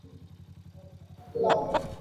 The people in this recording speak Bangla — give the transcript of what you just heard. আমাকে কি শুনতে পাছেন?